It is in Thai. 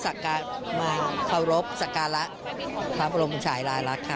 ซากาละครับอารมณ์อาหารฉายรายรักค่ะ